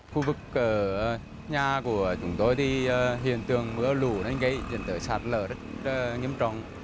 khu vực nhà của chúng tôi thì hiện tượng mưa lũ gây dân tử sạt lở rất nghiêm trọng